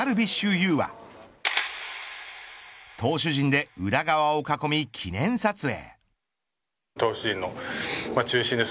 有は投手陣で宇田川を囲み記念撮影。